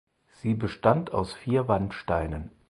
Sie bestand aus vier Wandsteinen.